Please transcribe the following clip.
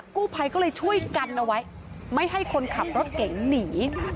กู้ภัยก็เลยช่วยกันเอาไว้ไม่ให้คนขับรถเก๋งหนี